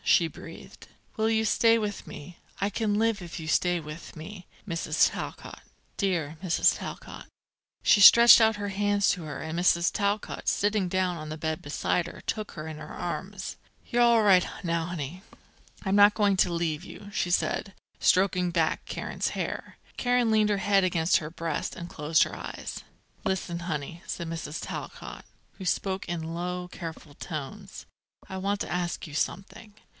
she breathed. "Will you stay with me? I can live if you stay with me, Mrs. Talcott dear Mrs. Talcott." She stretched out her hands to her, and Mrs. Talcott, sitting down on the bed beside her, took her in her arms. "You're all right, now, honey. I'm not going to leave you," she said, stroking back Karen's hair. Karen leaned her head against her breast, and closed her eyes. "Listen, honey," said Mrs. Talcott, who spoke in low, careful tones: "I want to ask you something.